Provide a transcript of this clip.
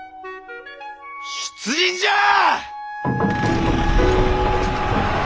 出陣じゃあ！